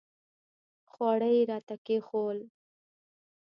خواړه یې راته کښېښودل.